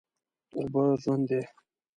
اوبه ژوند دي.